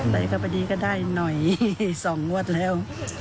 แบบเดียวก็ได้หน่อย๒วัดแล้ว